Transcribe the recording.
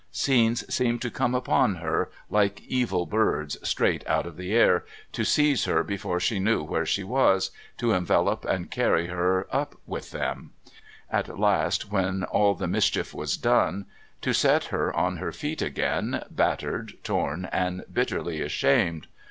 Scenes seemed to come upon her, like evil birds, straight out of the air, to seize her before she knew where she was, to envelop and carry her up with them; at last, when all the mischief was done, to set her on her feet again, battered, torn and bitterly ashamed.